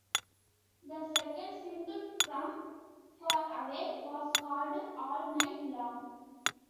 The second single from "Far Away", was called "All Night Long".